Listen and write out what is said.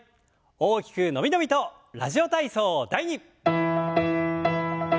大きく伸び伸びと「ラジオ体操第２」。